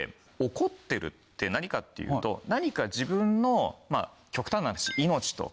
怒ってるって何かっていうと何か自分のまぁ極端な話。って感じると。